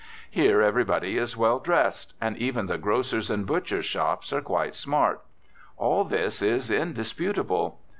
Here everybody is well dressed. And even the grocers' and butchers' shops are quite smart. All this is indisputable.